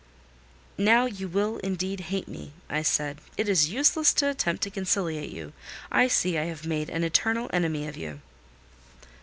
"Now you will indeed hate me," I said. "It is useless to attempt to conciliate you: I see I have made an eternal enemy of you."